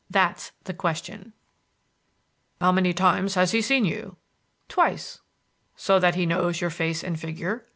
THAT'S THE QUESTION "How many times has he seen you?" "Twice." "So that he knows your face and figure?"